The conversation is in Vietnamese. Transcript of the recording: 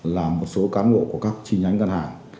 là một số cán bộ của các chi nhánh ngân hàng